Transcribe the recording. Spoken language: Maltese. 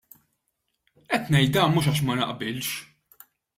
Qed ngħid dan mhux għax ma naqbilx.